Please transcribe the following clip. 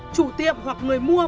chủ tiệm hoặc người mua